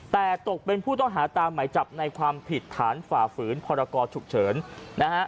แต่ตกเป็นผู้ต้องหาตามหมายจับในความผิดฐานฝ่าฝืนพรกรฉุกเฉินนะฮะ